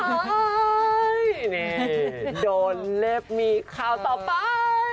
นี่โดนเล็บมีข่าวต่อไป